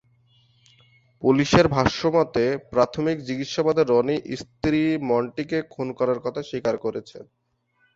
পুলিশের ভাষ্যমতে, প্রাথমিক জিজ্ঞাসাবাদে রনি স্ত্রী মন্টিকে খুন করার কথা স্বীকার করেছেন।